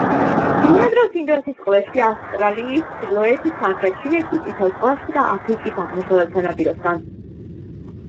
ბინადრობს ინდოეთის წყლებში, ავსტრალიის ჩრდილოეთით, სამხრეთ ჩინეთში, წითელ ზღვაში და აფრიკის აღმოსავლეთ სანაპიროსთან.